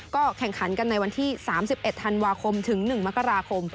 ก็แข่งขันกันในวันที่๓๑ธันวาคมถึง๑มกราคม